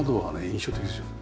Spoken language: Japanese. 印象的ですよ。